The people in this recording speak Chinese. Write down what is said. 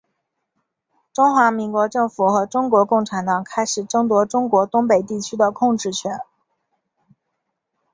中华民国政府和中国共产党开始争夺中国东北地区的控制权。